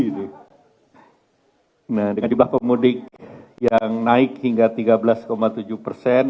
nah dengan jumlah pemudik yang naik hingga tiga belas tujuh persen